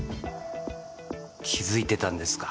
気付いてたんですか。